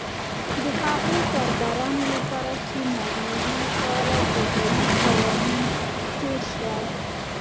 د هغو کارګرانو لپاره چې ناغېړي یې کوله جزايي قوانین جوړ شول